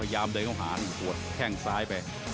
พยายามเดินเข้าหาหัวแข้งซ้ายไป